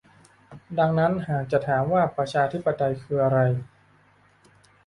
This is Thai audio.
ดังนั้นหากจะถามว่าประชาธิปไตยคืออะไร